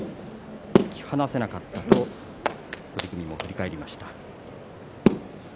突き放せなかったと取組後振り返りました。